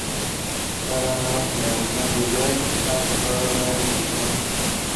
He instructs Carl to dispose of the body and leaves the bar.